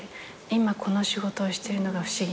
今この仕事をしてるのが不思議なぐらい。